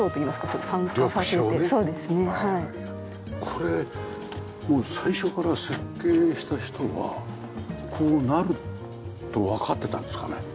これ最初から設計した人はこうなるとわかってたんですかね？